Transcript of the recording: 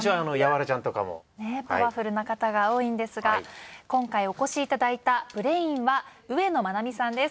パワフルな方が多いんですが今回お越しいただいたブレインは上野眞奈美さんです。